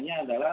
itu yang pertama